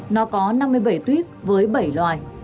nó có năm mươi bảy tuyết với bảy loài